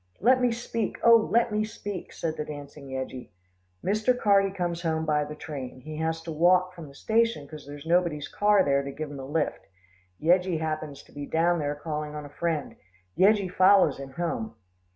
"Let me speak, oh! let me speak," said the dancing Yeggie. "Mr. Carty comes home by the train, he has to walk from the station, 'cause there's nobody's car there to give him a lift. Yeggie happens to be down there calling on a friend, Yeggie follows him home."